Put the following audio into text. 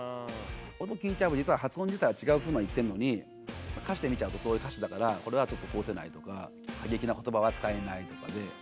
音聴いちゃえば実は発音自体は違うふうに言ってるのに歌詞で見ちゃうとそういう歌詞だからこれは通せないとか過激な言葉は使えないとかで。